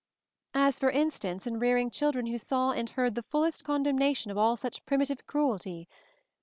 As for instance, in rearing children who saw and heard the fullest condemnation of all such primitive cruelty.